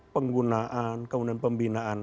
penggunaan kemudian pembinaan